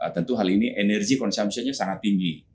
tentu hal ini energi konsumsi nya sangat tinggi